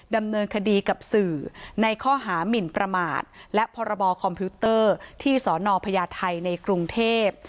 ดำเนินคดีกับสื่อในข้อหามินประมาทและพรบคอมพิวเตอร์ที่สนพญาไทยในกรุงเทพ